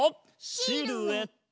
シルエット！